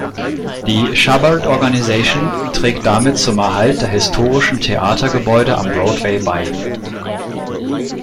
Die Shubert-Organization trägt damit zum Erhalt der historischen Theatergebäude am Broadway bei.